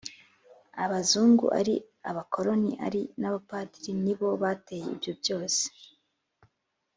abazungu, ari abakoloni ari n'abapadiri nibo bateye ibyo byose.